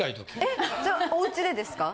えっじゃあおうちでですか？